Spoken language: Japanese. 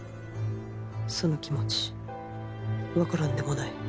その気持ちわからんでもない。